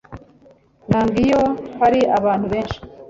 Nanga iyo hari abantu benshi.